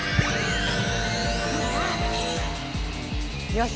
よし！